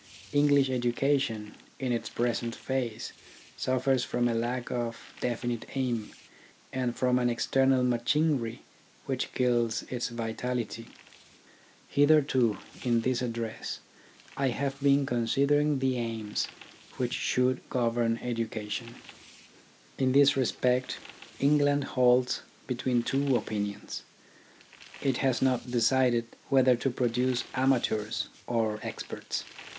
English education in its present phase suffers from a lack of definite aim, and from an external machinery which kills its vitality. Hitherto in this address I have been considering the aims 26 THE ORGANISATION OF THOUGHT which should govern education. In this respect England halts between two opinions. It has not decided whether to produce amateurs or experts.